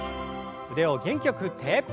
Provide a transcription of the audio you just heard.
腕を元気よく振って。